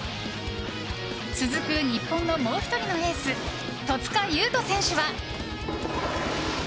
続く日本のもう１人のエース戸塚優斗選手は。